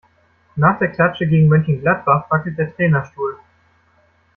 Nach der Klatsche gegen Mönchengladbach wackelt der Trainerstuhl.